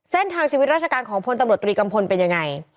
เส้นทางชีวิตราชการของพลตำรวจตรีกัมพลเป็นยังไง